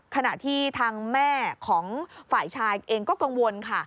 ขณะที่ทางแม่ของฝ่ายชายเองก็กังวลค่ะ